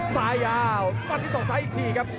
ซ้ายยาวฟันที่สองซ้ายอีกทีครับ